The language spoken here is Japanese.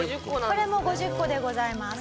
これも５０個でございます。